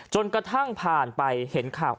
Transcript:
จนกระทั่งผ่านไปเห็นข่าว